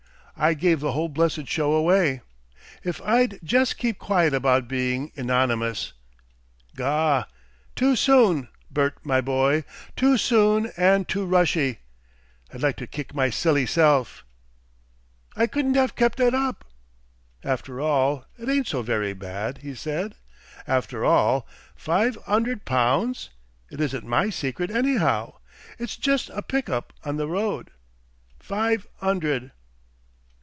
"I gave the whole blessed show away. If I'd j'es' kep quiet about being Enonymous.... Gaw!... Too soon, Bert, my boy too soon and too rushy. I'd like to kick my silly self. "I couldn't 'ave kep' it up. "After all, it ain't so very bad," he said. "After all, five 'undred pounds.... It isn't MY secret, anyhow. It's jes' a pickup on the road. Five 'undred.